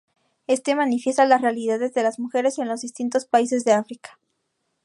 Este manifiesta las realidades de las mujeres en los distintos países de África.